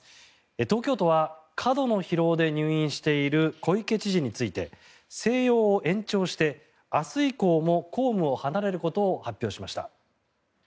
東京都は、過度の疲労で入院している小池知事について静養を延長して明日以降も公務を離れることを発表しました。